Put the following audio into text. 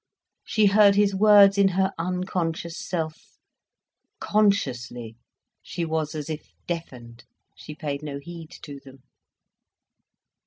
She heard his words in her unconscious self, consciously she was as if deafened, she paid no heed to them.